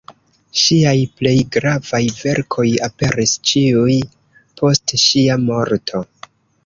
Ŝiaj plej gravaj verkoj aperis ĉiuj post ŝia morto.